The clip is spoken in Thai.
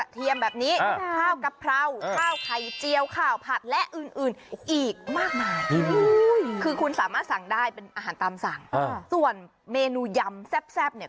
เป็นอาหารตามสั่งส่วนเมนูยำแซ่บแซ่บเนี่ย